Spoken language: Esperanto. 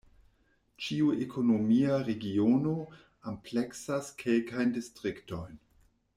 Ĉiu ekonomia regiono ampleksas kelkajn distriktojn.